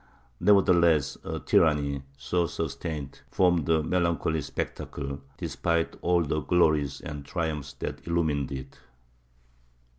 Nevertheless a tyranny so sustained formed a melancholy spectacle, despite all the glories and triumphs that illumined it.